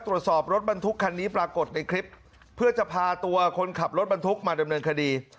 ตรวจสอบรถบรรทุกคันนี้ปรากฏในคลิปเพื่อจะพาตัวคนขับรถบรรทุกมาดำเนินคดี